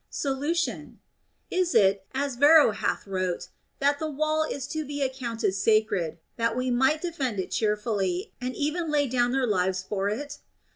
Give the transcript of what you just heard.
Solution. Is it (as Varro hath wrote) that the wall is to be accounted sacred, that they might defend it cheerfully and even lat down their lives for it?